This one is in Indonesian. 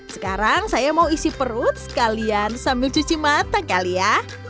sekarang saya mau isi perut sekalian sambil cuci matang kali ya